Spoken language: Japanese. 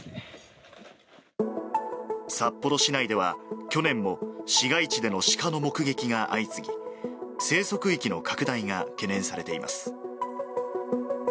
札幌市内では、去年も市街地でのシカの目撃が相次ぎ、生息域の拡大が懸念されています。